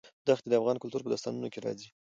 دښتې د افغان کلتور په داستانونو کې راځي.